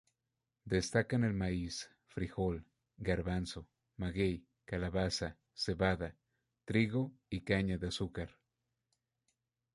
Destacan el maíz, frijol, garbanzo, maguey, calabaza, cebada, trigo y caña de azúcar.